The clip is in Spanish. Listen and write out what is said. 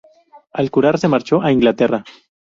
Al curar se marchó a Inglaterra.